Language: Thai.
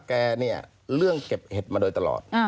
แกเนี่ยเรื่องเก็บเห็ดมาโดยตลอด